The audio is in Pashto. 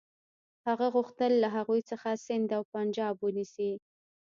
هغه غوښتل له هغوی څخه سند او پنجاب ونیسي.